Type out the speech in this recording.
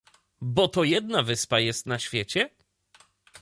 "Bo to jedna wyspa jest na świecie?"